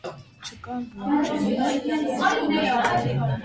Չկար ո՛չ ջրմուղ, ո՛չ կոյուղի։